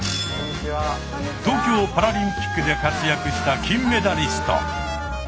東京パラリンピックで活躍した金メダリスト。